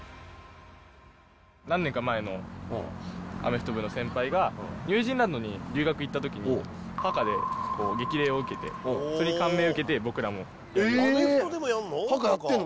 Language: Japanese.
何年か前のアメフト部の先輩が、ニュージーランドに留学行ったときに、ハカで激励を受けて、それに感銘受けて僕らも。えー、ハカ、やってんの？